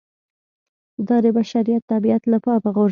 دا د بشر طبیعت له پامه غورځوي